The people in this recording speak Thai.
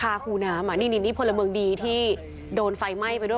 คูน้ำอ่ะนี่นี่พลเมืองดีที่โดนไฟไหม้ไปด้วย